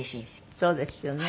そうですよね。